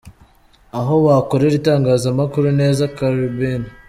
Aho wakorera itangazamakuru neza : Caribbean.